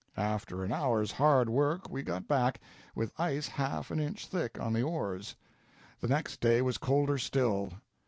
After an hour's hard work we got back, with ice half an inch thick on the oars .... The next day was colder still.